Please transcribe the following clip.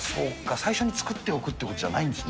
最初に作っておくってことじゃないんですね。